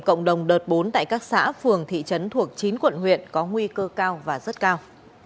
cộng đồng đợt bốn tại các xã phường thị trấn thuộc chín quận huyện có nguy cơ cao và rất cao